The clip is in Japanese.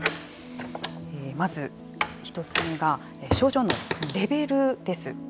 まず、１つ目が症状のレベルです。